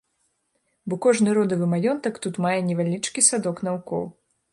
Бо кожны родавы маёнтак тут мае невялічкі садок наўкол.